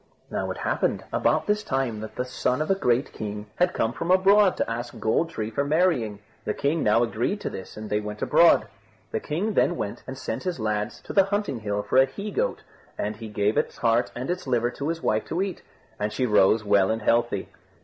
Now it happened about this time that the son of a great king had come from abroad to ask Gold tree for marrying. The king now agreed to this, and they went abroad. The king then went and sent his lads to the hunting hill for a he goat, and he gave its heart and its liver to his wife to eat; and she rose well and healthy.